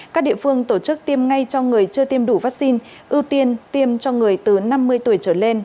các địa phương tổ chức tiêm ngay cho người chưa tiêm đủ vaccine ưu tiên tiêm cho người từ năm mươi tuổi trở lên